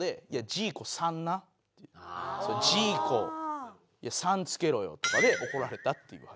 「ジーコ“さん”付けろよ」とかで怒られたっていう話。